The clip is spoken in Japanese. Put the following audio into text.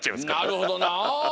なるほどな。